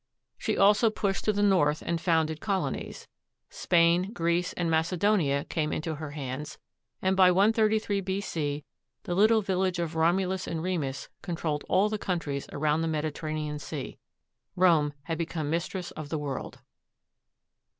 She also pushed to the north and founded colonies. Spain, Greece, and Macedonia came into her hands, and by 133 B.C. the little village of Romulus and Remus controlled all the countries around the Mediterranean Sea. Rome had become mistress of the world.